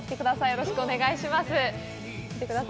よろしくお願いします。